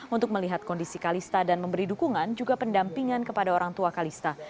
untuk melihat kondisi kalista dan memberi dukungan juga pendampingan kepada orang tua kalista